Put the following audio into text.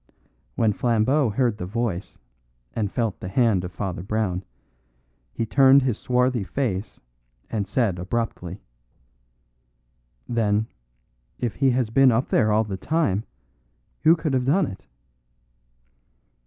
When Flambeau heard the voice, and felt the hand of Father Brown, he turned his swarthy face and said abruptly: "Then, if he has been up there all the time, who can have done it?"